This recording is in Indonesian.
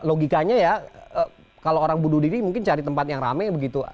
logikanya ya kalau orang bunuh diri mungkin cari tempat yang rame begitu